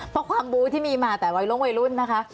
เพราะความบู้ที่มีมาแต่วัยลงวัยรุ่นนะคะ